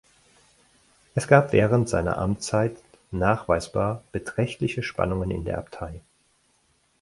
Es gab während seiner Amtszeit nachweisbar beträchtliche Spannungen in der Abtei.